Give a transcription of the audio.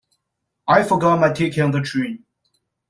I forgot my ticket on the train.